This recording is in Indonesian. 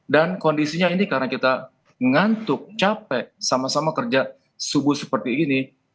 kondisinya ini karena kita ngantuk capek sama sama kerja subuh seperti ini